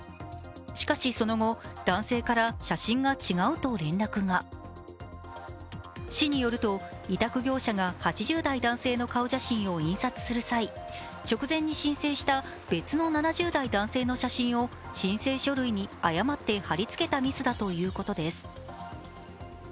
しかしその後、男性から写真が違うと連絡が市によると委託業者が８０代男性の顔写真を印刷する際直前に申請した別の７０代男性の写真を申請書類に誤って貼り付けたミスだということです。